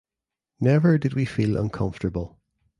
Never did we feel uncomfortable.